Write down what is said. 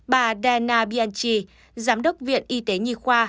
bà dana bianchi giám đốc viện y tế nhi khoa